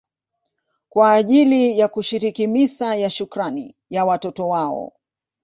kwa ajili ya kushiriki misa ya shukrani ya watoto wao